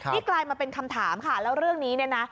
นี่กลายมาเป็นคำถามค่ะแล้วเรื่องนี้เนี่ยนะ